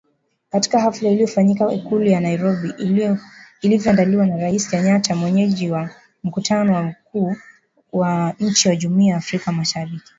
Katika hafla iliyofanyika Ikulu ya Nairobi ilivyoandaliwa na Rais Kenyatta mwenyeji wa mkutano wa wakuu wa nchi za Jumuiya ya Afrika Mashariki